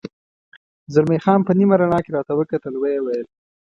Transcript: زلمی خان په نیمه رڼا کې راته وکتل، ویې ویل.